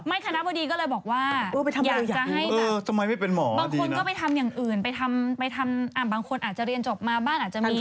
ไม่คณะพวดีก็เลยบอกว่าอยากจะให้แบบบางคนก็ไปทำอย่างอื่นบางคนอาจจะเรียนจบมาบ้านมี